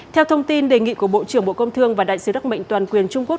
theo thông tin đề nghị của bộ trưởng bộ công thương và đại sứ đặc mệnh toàn quyền trung quốc